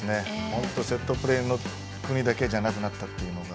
本当にセットプレーだけの国じゃなくなったというのが。